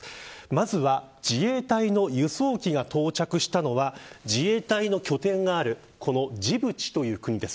まずは、自衛隊の輸送機が到着したのは自衛隊の拠点があるこのジブチという国です。